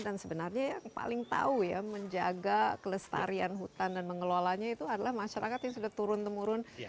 dan sebenarnya yang paling tahu ya menjaga kelestarian hutan dan mengelolanya itu adalah masyarakat yang sudah turun temurun